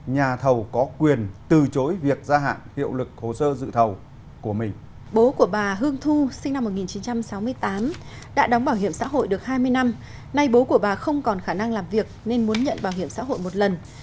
nay bố của bà không còn khả năng làm việc nên muốn nhận bảo hiểm xã hội một lần